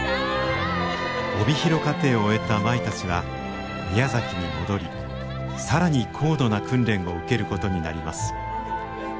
帯広課程を終えた舞たちは宮崎に戻り更に高度な訓練を受けることになります。